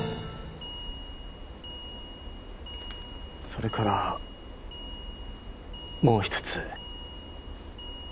それからもう一つ。